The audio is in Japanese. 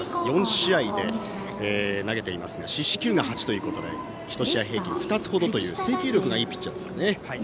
４試合で投げていますが四死球が８ということで１試合平均２つほどという制球力のいいピッチャーですね。